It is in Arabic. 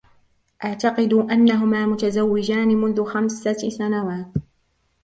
أعتقد أنهما متزوجان منذ خمسة سنوات.